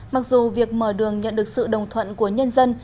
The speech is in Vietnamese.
mặc dù việc mở đường nhận được sự đồng thuận của nhân dân